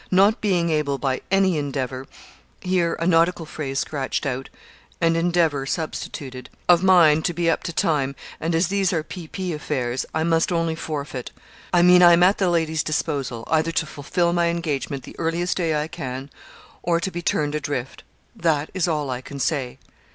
Not being able by any endeavour' (here a nautical phrase scratched out, and 'endeavour' substituted) 'of mine to be up to time, and as these are P.P. affairs, I must only forfeit. I mean, I am at the lady's disposal, either to fulfil my engagement the earliest day I can, or to be turned adrift. That is all I can say.